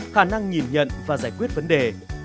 khả năng nhìn nhận và giải quyết vấn đề